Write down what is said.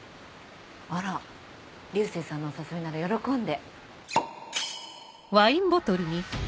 あら流星さんのお誘いなら喜んで。